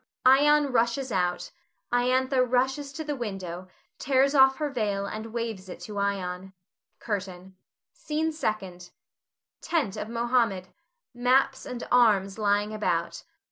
[Ion rushes out; Iantha rushes to the window, tears off her veil and waves it to Ion.] CURTAIN. SCENE SECOND. [Tent of Mohammed; _maps and arms lying about.